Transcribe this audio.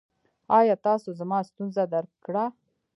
ایا تاسو زما ستونزه درک کړه؟